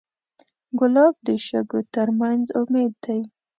ګلاب د شګو تر منځ امید دی.